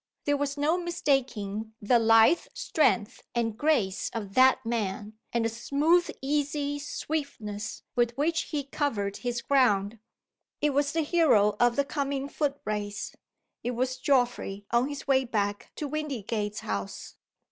There was no mistaking the lithe strength and grace of that man, and the smooth easy swiftness with which he covered his ground. It was the hero of the coming foot race. It was Geoffrey on his way back to Windygates House.